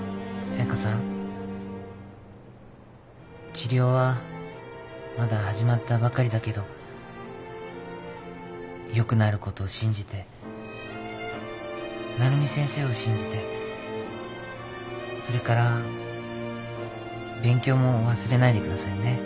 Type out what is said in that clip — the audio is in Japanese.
治療はまだ始まったばかりだけどよくなることを信じて鳴海先生を信じてそれから勉強も忘れないでくださいね。